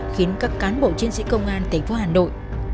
khiến các cán bộ chiến sĩ công an thành phố hà nội